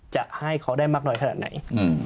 จะให้เขาได้มากน้อยขนาดไหน